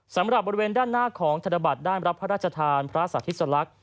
สำหรับบริเวณด้านหน้าของธนบัตรด้านรับพระราชทานพระสาธิสลัก